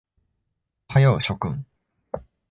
おはよう諸君。